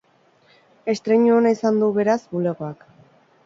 Estreinu ona izan du, beraz, bulegoak.